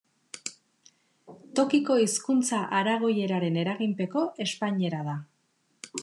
Tokiko hizkuntza aragoieraren eraginpeko espainiera da.